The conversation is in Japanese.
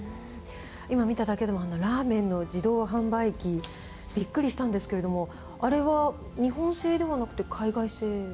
今見ただけでもラーメンの自動販売機びっくりしたんですけれどもあれは日本製ではなくて海外製ですか？